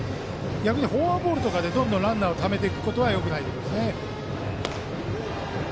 逆にフォアボールとかでどんどんランナーをためていくことはよくないですね。